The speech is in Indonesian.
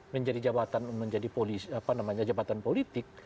menjadi jabatan politik